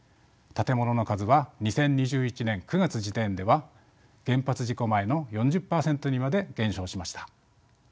建物の数は２０２１年９月時点では原発事故前の４０％にまで減少しました。